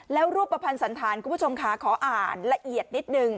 แล้วรูปภัณฑ์สันธารคุณผู้ชมค่ะขออ่านละเอียดนิดนึง